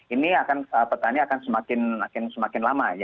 ini petani akan semakin lama